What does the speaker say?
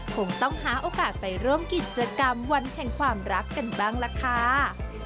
คงต้องหาโอกาสไปร่วมกิจกรรมวันแห่งความรักกันบ้างล่ะค่ะ